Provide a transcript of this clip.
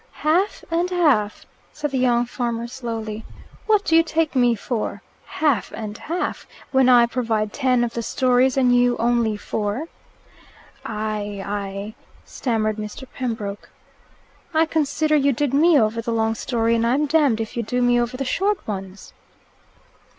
"Half and half?" said the young farmer slowly. "What do you take me for? Half and half, when I provide ten of the stories and you only four?" "I I " stammered Mr. Pembroke. "I consider you did me over the long story, and I'm damned if you do me over the short ones!"